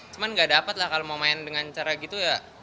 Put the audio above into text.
cuma gak dapat lah kalau mau main dengan cara gitu ya